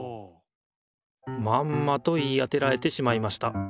まんまと言い当てられてしまいました。